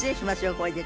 これで」